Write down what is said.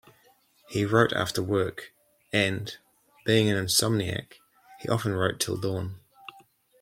He wrote after work, and, being an insomniac, he often wrote till dawn.